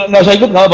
gausah ikut gaapa